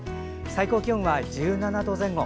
最高気温は１７度前後。